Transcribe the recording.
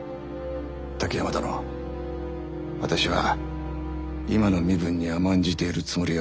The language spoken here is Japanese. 滝山殿私は今の身分に甘んじているつもりはござらん。